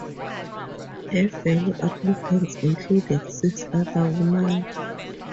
Her fellow applicants included six other women.